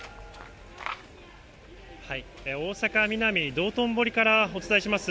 大阪・ミナミ道頓堀からお伝えします。